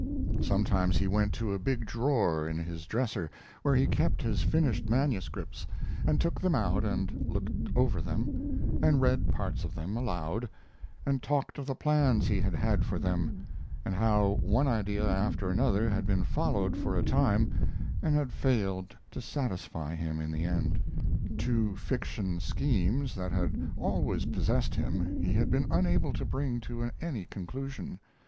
Sometimes he went to a big drawer in his dresser, where he kept his finished manuscripts, and took them out and looked over them, and read parts of them aloud, and talked of the plans he had had for them, and how one idea after another had been followed for a time and had failed to satisfy him in the end. Two fiction schemes that had always possessed him he had been unable to bring to any conclusion.